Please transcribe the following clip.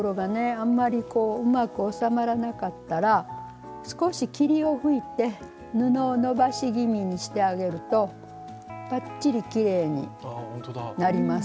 あんまりうまくおさまらなかったら少し霧を吹いて布を伸ばし気味にしてあげるとバッチリきれいになります。